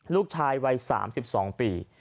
ลูกชายวัย๓๒ปี